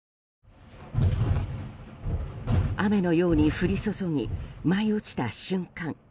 雨のように降り注ぎ舞い落ちた瞬間